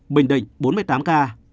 bình định bốn mươi tám ca